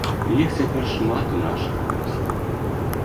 Іх цяпер шмат у нашых вёсках.